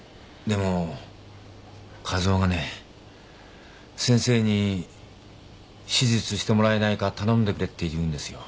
でも一夫がね先生に手術してもらえないか頼んでくれって言うんですよ。